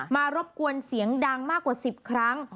รบกวนเสียงดังมากกว่า๑๐ครั้ง